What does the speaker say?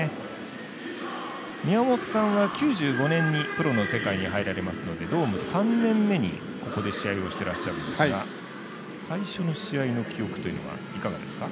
宮本さんは、９５年にプロの世界に入られますのでドーム３年目にここで試合をしてらっしゃるんですが最初の試合の記憶というのはいかがですか？